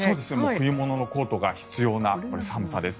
冬物のコートが必要な寒さです。